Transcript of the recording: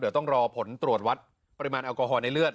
เดี๋ยวต้องรอผลตรวจวัดปริมาณแอลกอฮอลในเลือด